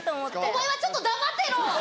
お前はちょっと黙ってろ！